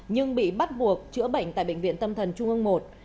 nhưng bị bắt buộc chữa bệnh tại bệnh viện tâm thần trung ương một